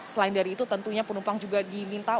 selain dari itu tentunya penumpang juga diminta